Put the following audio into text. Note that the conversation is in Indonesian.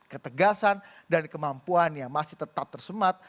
ketegasan dan kemampuannya masih tetap tersemat